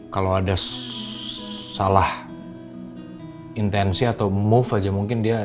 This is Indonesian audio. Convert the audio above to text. kalau ada salah intensi atau move aja mungkin dia